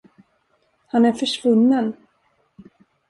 Han är försvunnen.